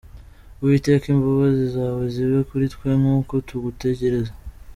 Uwiteka, imbabazi zawe zibe kuri twe Nk’uko tugutegereza.